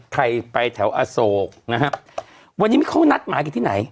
ใครไปแถวอโศกนะครับวันนี้เขานัดหมายกันที่ไหน